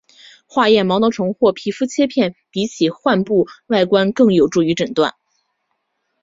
化验毛囊虫或皮肤切片比起患部外观更有助于诊断。